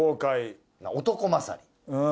男勝り。